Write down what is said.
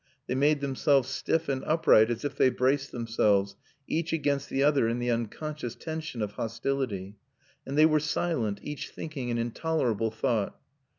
They made themselves stiff and upright as if they braced themselves, each against the other in the unconscious tension of hostility. And they were silent, each thinking an intolerable thought.